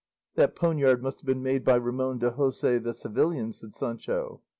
"That poniard must have been made by Ramon de Hoces the Sevillian," said Sancho.